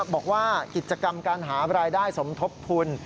บอกว่ากิจกรรมการหารายได้สมทบทุน